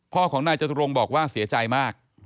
พ่อของนายจตุรงค์บอกว่าเสียใจมาก